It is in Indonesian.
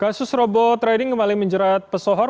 kasus robot trading kembali menjerat pesohor